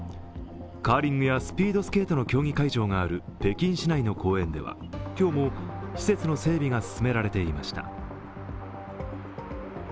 カーリングやスピードスケートの競技会場がある北京市内の公園では今日も施設の整備が進められていました。